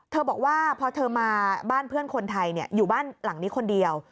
บอกว่าพอเธอมาบ้านเพื่อนคนไทยอยู่บ้านหลังนี้คนเดียว